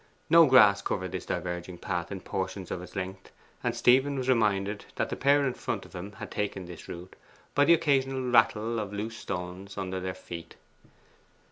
No grass covered this diverging path in portions of its length, and Stephen was reminded that the pair in front of him had taken this route by the occasional rattle of loose stones under their feet.